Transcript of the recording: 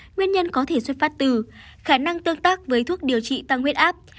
nguyên nhân có thể xuất phát từ khả năng tương tác với thuốc điều trị tăng huyết áp